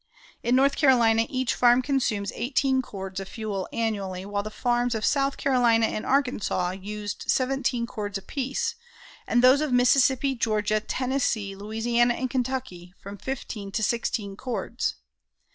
In North Carolina each farm consumes eighteen cords of fuel annually, while the farms of South Carolina and Arkansas used seventeen cords apiece, and those of Mississippi, Georgia, Tennessee, Louisiana, and Kentucky from fifteen to sixteen cords.